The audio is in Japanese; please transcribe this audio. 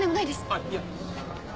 あっいや。